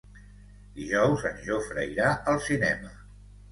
Dijous en Jofre irà al cinema.